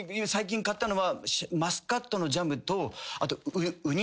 最近買ったのはマスカットのジャムとあと。